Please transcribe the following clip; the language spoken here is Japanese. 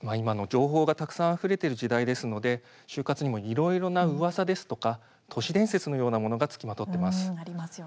情報がたくさんあふれている時代ですので就活にもいろいろなうわさですとか都市伝説のようなものが付きまとってます。